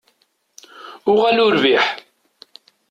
Uɣal urbiḥ!